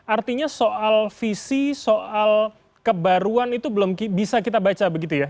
artinya soal visi soal kebaruan itu belum bisa kita baca begitu ya